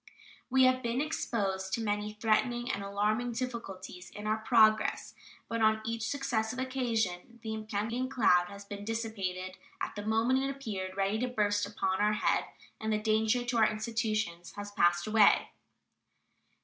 We have been exposed to many threatening and alarming difficulties in our progress, but on each successive occasion the impending cloud has been dissipated at the moment it appeared ready to burst upon our head, and the danger to our institutions has passed away.